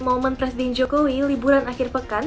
momen presiden jokowi liburan akhir pekan